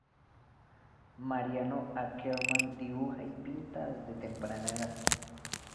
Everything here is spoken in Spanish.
Mariano Akerman dibuja y pinta desde temprana edad.